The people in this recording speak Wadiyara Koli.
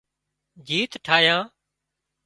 جيت ٺاهيان